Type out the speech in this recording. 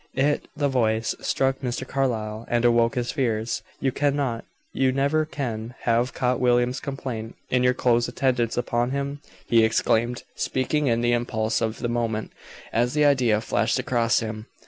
It, the voice, struck Mr. Carlyle and awoke his fears. "You cannot you never can have caught William's complaint, in your close attendance upon him?" he exclaimed, speaking in the impulse of the moment, as the idea flashed across him.